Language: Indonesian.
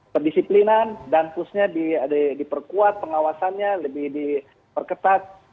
pendisiplinan danpusnya diperkuat pengawasannya lebih diperketat